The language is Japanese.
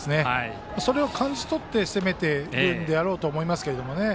それを感じ取って攻めているんだろうと思いますけどね。